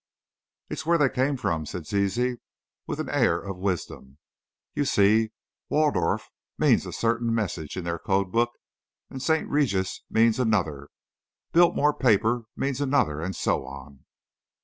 "It's where they come from," said Zizi, with an air of wisdom; "you see, Waldorf means a certain message in their code book, and St. Regis means another; Biltmore paper means another, and so on."